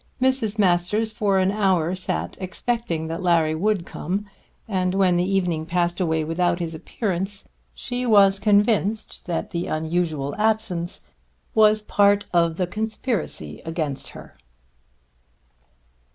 Mrs. Masters for an hour sat expecting that Larry would come, and when the evening passed away without his appearance, she was convinced that the unusual absence was a part of the conspiracy against her.